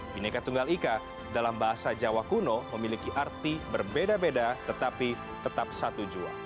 bineka tunggal ika dalam bahasa jawa kuno memiliki arti berbeda beda tetapi tetap satu jua